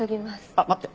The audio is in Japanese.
あっ待って。